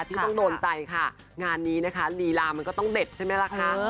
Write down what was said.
ที่ต้องโดนใจค่ะงานนี้นะคะลีลามันก็ต้องเด็ดใช่ไหมล่ะคะ